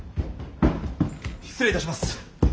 ・失礼いたします。